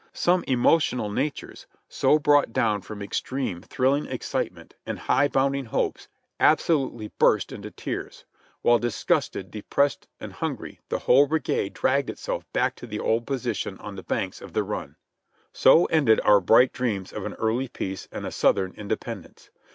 Some emotional natures, so brought down BVhh RUN 65 from extreme, thrilling excitement and high, bounding hopes, absolutely burst into tears, while disgusted, depressed and hungry, the whole brigade dragged itself back to the old position on the banks of the run. So ended our bright dreams of an early peace and a Southern independence.